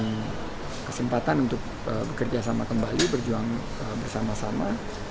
dan kesempatan untuk bekerja sama kembali berjuang bersama sama